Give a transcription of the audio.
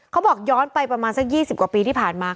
เขาบอกย้อนไปประมาณสัก๒๐กว่าปีที่ผ่านมา